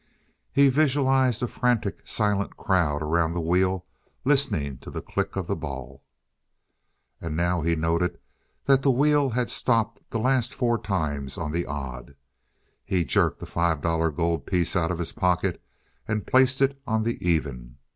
He visualized a frantic, silent crowd around the wheel listening to the click of the ball. And now he noted that the wheel had stopped the last four times on the odd. He jerked a five dollar gold piece out of his pocket and placed it on the even.